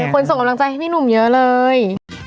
คนส่งกำลังใจให้พี่หนุ่มเยอะเลย